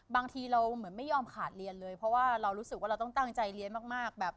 บางทีเราไม่ยอมขาดเรียนเลยเพราะว่าเราต้องตั้งใจเรียนมาก